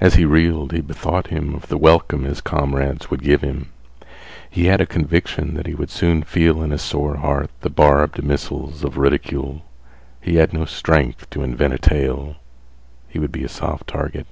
As he reeled, he bethought him of the welcome his comrades would give him. He had a conviction that he would soon feel in his sore heart the barbed missiles of ridicule. He had no strength to invent a tale; he would be a soft target.